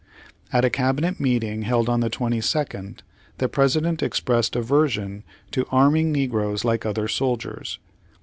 At a cabinet meeting held on the 22nd, the President expressed aversion to arming negroes like other soldiers.